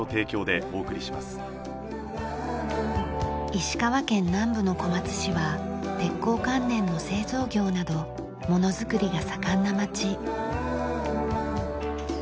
石川県南部の小松市は鉄工関連の製造業などものづくりが盛んな町。